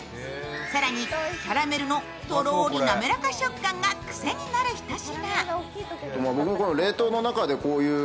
更に、キャラメルのとろり滑らか食感が癖になるひと品。